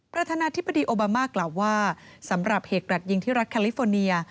ประธานาธิบดีโอบามากล่าวว่าสำหรับเหตุกระดยิงที่รัฐแคลิฟอร์เนีย